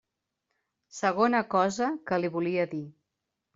Segona cosa que li volia dir.